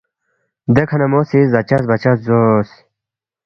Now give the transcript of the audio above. دیکھہ نہ مو سی زاچس بَچس زوس